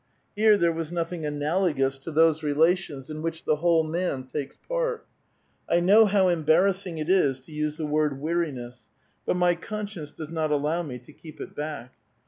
Here there was notbing anal ogous to those relations in wliich the whole man takes part. 1 know how embarrassing it is to use the word * weai iness/ but my conscience does not allow me to keep it back.